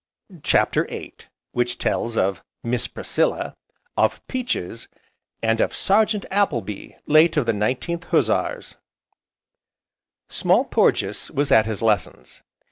CHAPTER VIII Which tells of Miss Priscilla, of peaches, and of Sergeant Appleby late of the 19th Hussars Small Porges was at his lessons.